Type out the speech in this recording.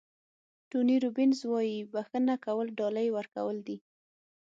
ټوني روبینز وایي بښنه کول ډالۍ ورکول دي.